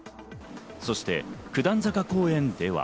そして九段坂公園では。